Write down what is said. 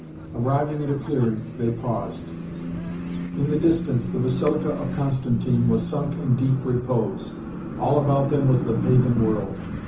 Arrived at a clearing they paused. In the distance the Basilica of Constantine was sunk in deep repose. All about them was the pagan world.